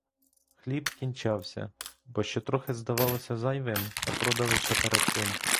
Хліб кінчався — бо що трохи здавалося зайвим, те продали ще перед тим.